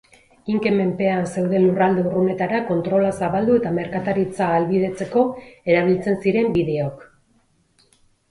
Inken menpean zeuden lurralde urrunetara kontrola zabaldu eta merkataritza ahalbidetzeko erabiltzen ziren bideok.